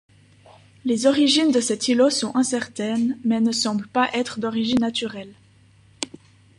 Les origines de cet îlot sont incertaines mais ne semblent pas être d'origine naturelle.